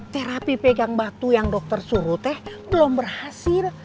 terapi pegang batu yang dokter suruh teh belum berhasil